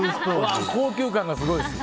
高級感がすごいです。